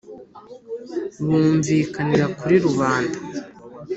bumvikanira kuri rubanda .